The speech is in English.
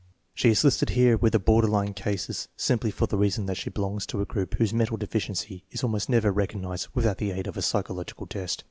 She is listed here with the border line cases simply for the reason that she belongs to a group whose mental deficiency is almost never recognized without the aid of a psychological test.